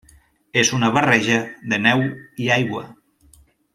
És una barreja de neu i aigua.